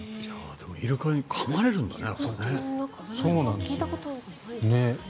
でもイルカにかまれるんだね。